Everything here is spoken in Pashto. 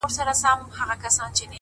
زه اوسېږمه زما هلته آشیانې دي!.